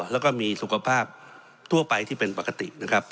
แล้วก็มีสุขภาพทั่วไปที่เป็นปกตินะครับ